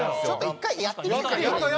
１回やってみて。